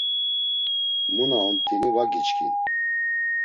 Mu na omt̆ini va giçkin.